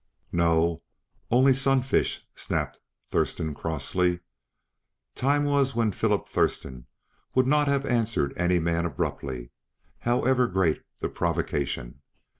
"No, only Sunfish," snapped Thurston crossly. Time was when Philip Thurston would not have answered any man abruptly, however great the provocation.